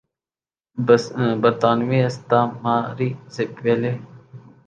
برطانوی استعماری سے پہلے